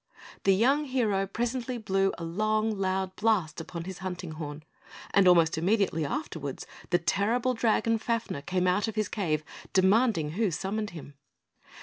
The young hero presently blew a long, loud blast upon his hunting horn; and almost immediately afterwards, the terrible giant dragon, Fafner, came out from his cave, demanding who summoned him.